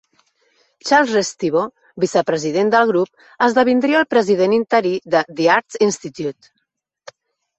Charles Restivo, vicepresident del grup, esdevindria el president interí de The Art Institutes.